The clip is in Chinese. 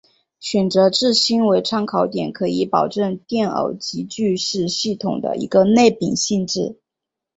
选择质心为参考点可以保证电偶极矩是系统的一个内禀性质。